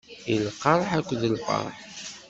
I lqerḥ akked lferḥ.